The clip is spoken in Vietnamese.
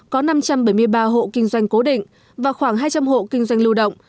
có năm trăm bảy mươi ba hộ kinh doanh cố định và khoảng hai trăm linh hộ kinh doanh lưu động